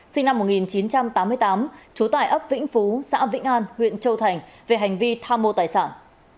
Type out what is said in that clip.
sinh năm một nghìn chín trăm tám mươi tám trú tại ấp vĩnh phú xã vĩnh an huyện châu thành về hành vi tham mô tài sản